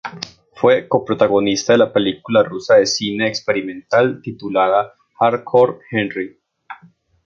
Fue co-protagonista en la película rusa de Cine experimental titulada Hardcore Henry.